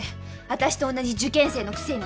私と同じ受験生のくせに！